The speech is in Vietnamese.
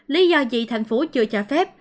lý do gì tp hcm chưa trả phép